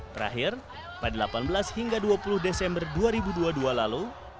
terakhir pada delapan belas hingga dua puluh desember dua ribu dua puluh dua lalu